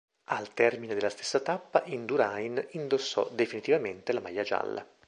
Al termine della stessa tappa Indurain indossò definitivamente la maglia gialla.